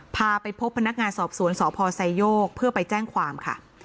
พาไปพบพนักงานสอบสวนสพไซโยกเพื่อไปแจ้งความค่ะ